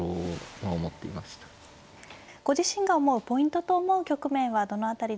ご自身が思うポイントと思う局面はどの辺りでしょうか。